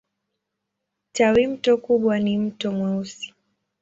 Tawimto kubwa ni Mto Mweusi.